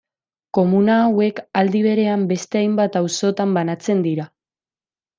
Komuna hauek aldi berean beste hainbat auzotan banatzen dira.